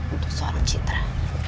untuk seorang citra